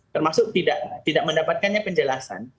termasuk tidak mendapatkannya penjelasan